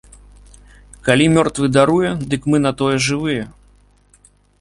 Калі мёртвы даруе, дык мы на тое жывыя!